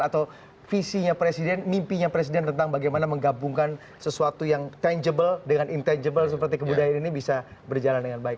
atau visinya presiden mimpinya presiden tentang bagaimana menggabungkan sesuatu yang tangible dengan intangible seperti kebudayaan ini bisa berjalan dengan baik